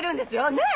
ねえ！